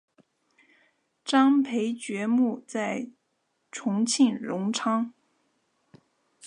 张培爵墓在重庆荣昌。